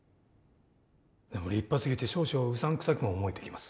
でも立派すぎて少々うさんくさくも思えてきます。